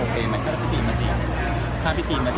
แอบนี้แก่มาดูมากที่ใครใช่บอก